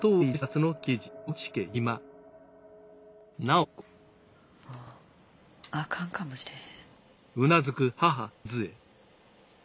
もうあかんかもしれへん。